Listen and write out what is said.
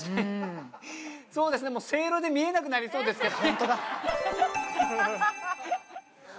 そうですねせいろで見えなくなりそうですけど。